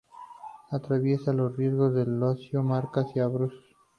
Atraviesa las regiones de Lacio, Marcas y Abruzos.